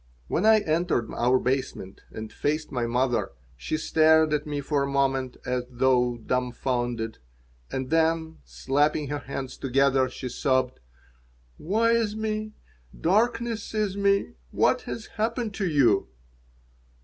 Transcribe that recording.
When I entered our basement and faced my mother, she stared at me for a moment, as though dumfounded, and then, slapping her hands together, she sobbed: "Woe is me! Darkness is me! What has happened to you?"